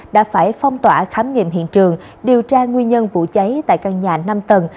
đã phải phong tỏa khám nghiệm hiện trường điều tra nguyên nhân vụ cháy tại căn nhà năm tầng